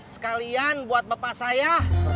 sekalian buat bapak saya